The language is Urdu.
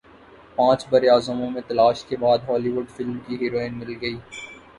پانچ براعظموں میں تلاش کے بعد ہولی وڈ فلم کی ہیروئن مل گئی